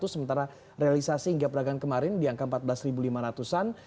sementara realisasi hingga perdagangan kemarin di angka empat belas lima ratus an